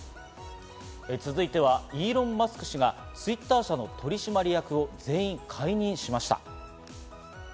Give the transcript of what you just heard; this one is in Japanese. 続いては、イーロン・マスク氏がＴｗｉｔｔｅｒ社の取締役を全員解任しました。